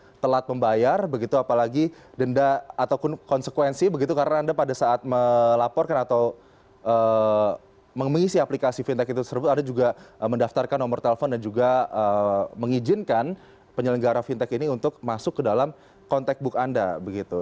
apakah anda telat membayar begitu apalagi denda ataupun konsekuensi begitu karena anda pada saat melaporkan atau mengisi aplikasi fintech itu tersebut anda juga mendaftarkan nomor telepon dan juga mengizinkan penyelenggara fintech ini untuk masuk ke dalam konteks book anda begitu